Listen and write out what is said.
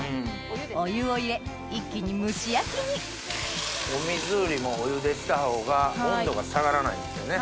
お湯を入れ一気に蒸し焼きにお水よりもお湯でしたほうが温度が下がらないんですよね。